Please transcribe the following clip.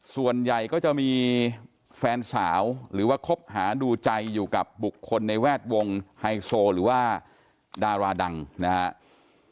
ส่วนใหญ่ก็จะมีแฟนสาวหรือว่าคบหาดูใจอยู่กับบุคคลในแวดวงไฮโซหรือว่าดาราดังนะครับ